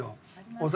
お酒